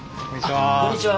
こんにちは。